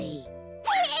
えっ。